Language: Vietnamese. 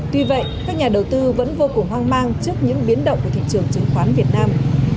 tuy vậy các nhà đầu tư vẫn vô cùng hoang mang trước những biến động của thị trường chứng khoán việt nam